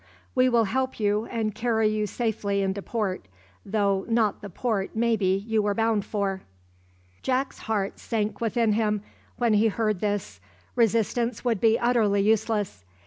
We will help you, and carry you safely into port, though not the port maybe you were bound for." Jack's heart sank within him when he heard this. Resistance would be utterly useless.